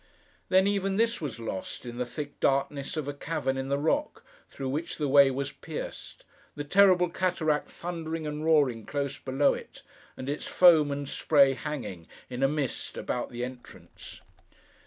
Then, even this was lost, in the thick darkness of a cavern in the rock, through which the way was pierced; the terrible cataract thundering and roaring close below it, and its foam and spray hanging, in a mist, about the entrance.